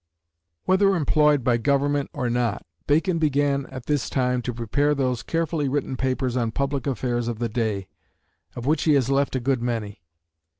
Whether employed by government or not, Bacon began at this time to prepare those carefully written papers on the public affairs of the day, of which he has left a good many.